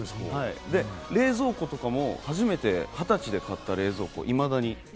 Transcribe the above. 冷蔵庫とかも、初めて２０歳で買った冷蔵庫いまだに。